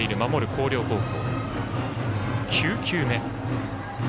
広陵高校。